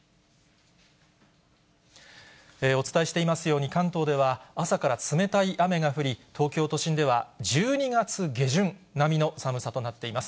お伝えしていますように、関東では朝から冷たい雨が降り、東京都心では１２月下旬並みの寒さとなっています。